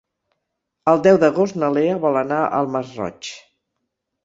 El deu d'agost na Lea vol anar al Masroig.